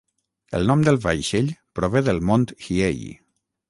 El nom del vaixell prové del Mont Hiei.